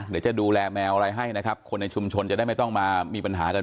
เดี๋ยวจะดูแลแมวอะไรให้นะครับคนในชุมชนจะได้ไม่ต้องมามีปัญหากัน